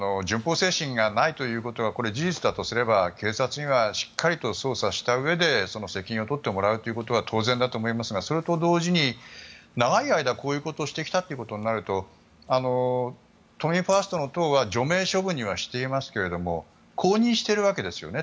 精神がないということはこれは事実だとすれば警察にはしっかりと捜査したうえでその責任を取ってもらうことは当然だと思いますがそれと同時に長い間こういうことをしてきたということになると都民ファーストの会の党は除名処分にはしているわけですが公認してるわけですよね。